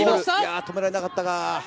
止められなかったか。